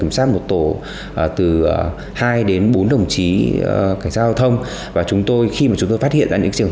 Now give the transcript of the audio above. kiểm soát một tổ từ hai đến bốn đồng chí cảnh sát giao thông và khi chúng tôi phát hiện những trường